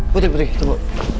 putri putri tunggu